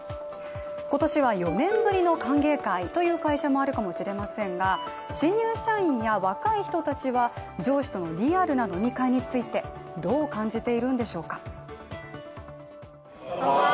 今年は４年ぶりの歓迎会という会社もあるかもしれませんが、新入社員や若い人たちは上司とのリアルな飲み会についてどう感じているんでしょうか。